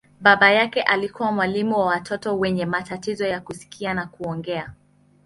Baba yake alikuwa mwalimu wa watoto wenye matatizo ya kusikia na kuongea.